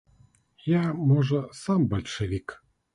Я, можа, сам бальшавік.